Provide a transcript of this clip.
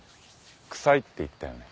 「臭い」って言ったよね。